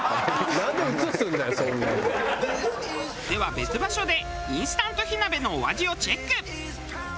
「」では別場所でインスタント火鍋のお味をチェック。